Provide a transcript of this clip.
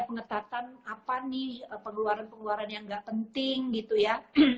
pengetatan apa nih pengeluaran pengeluaran yang gak penting gitu ya